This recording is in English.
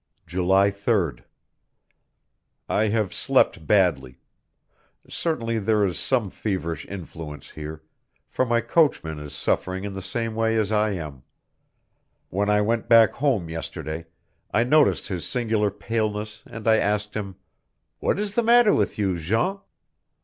July 3d. I have slept badly; certainly there is some feverish influence here, for my coachman is suffering in the same way as I am. When I went back home yesterday, I noticed his singular paleness, and I asked him: "What is the matter with you, Jean?"